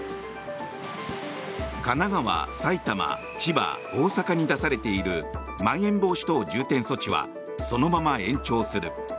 神奈川、埼玉、千葉、大阪に出されているまん延防止等重点措置はそのまま延長する。